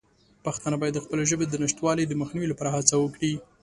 پښتانه باید د خپلې ژبې د نشتوالي د مخنیوي لپاره هڅه وکړي.